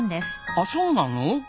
あそうなの？